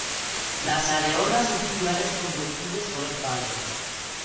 La areolas son circulares con gloquidios color pardo.